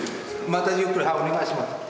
またゆっくりお願いします。